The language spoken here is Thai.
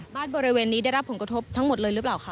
บริเวณนี้ได้รับผลกระทบทั้งหมดเลยหรือเปล่าคะ